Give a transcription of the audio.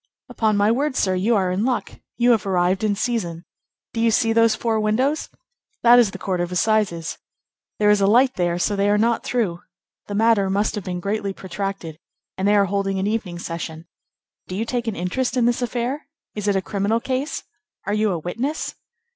"Upon my word, sir, you are in luck; you have arrived in season. Do you see those four windows? That is the Court of Assizes. There is light there, so they are not through. The matter must have been greatly protracted, and they are holding an evening session. Do you take an interest in this affair? Is it a criminal case? Are you a witness?"